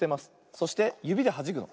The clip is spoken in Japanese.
そしてゆびではじくの。